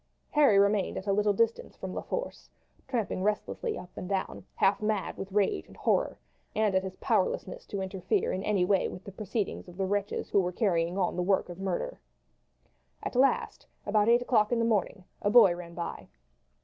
Harry remained at a little distance from La Force, tramping restlessly up and down, half mad with rage and horror, and at his powerlessness to interfere in any way with the proceedings of the wretches who were carrying on the work of murder. At last, about eight o'clock in the morning, a boy ran by.